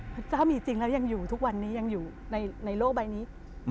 พระเจ้ามีจริงแล้วยังอยู่ทุกวันนี้ยังอยู่ในโลกใบนี้